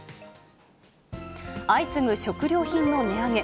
相次ぐ食料品の値上げ。